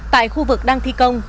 tại khu vực đang thi công